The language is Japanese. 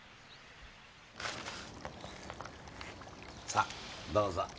さっどうぞ。